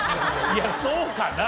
いやそうかな？